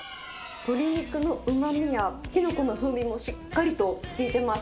鶏肉のうまみやキノコの風味もしっかりと効いてます。